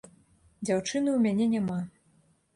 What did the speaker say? Дзяўчыны ў мяне няма.